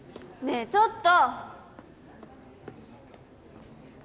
えちょっと！